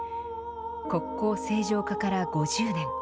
国交正常化から５０年。